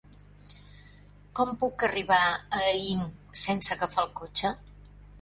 Com puc arribar a Aín sense agafar el cotxe?